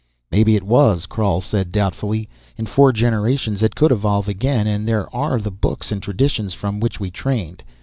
"Maybe it was," Krhal said doubtfully. "In four generations, it could evolve again. And there are the books and traditions from which we trained.